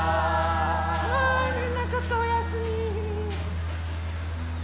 はいみんなちょっとおやすみ。